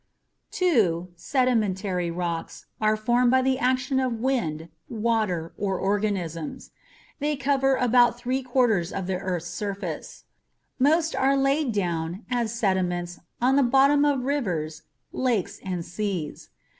2. SEDIMENTARY rocks are formed by the action of wind, water, or organisms. They cover about three quarters of the Earth's surface. Most are laid down as sediments on the bottom of rivers, lakes and seas.